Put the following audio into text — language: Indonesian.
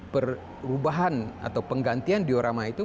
perubahan atau penggantian diorama itu